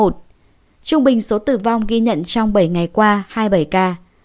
trung bình số tử vong ghi nhận trong bảy ngày qua hai mươi bảy ca